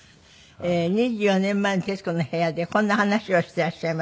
２４年前に『徹子の部屋』でこんな話をしていらっしゃいました。